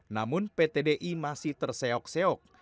namun pt di masih terseok seok